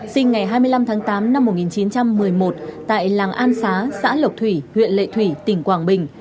sinh ngày hai mươi năm tháng tám năm một nghìn chín trăm một mươi một tại làng an xá xã lộc thủy huyện lệ thủy tỉnh quảng bình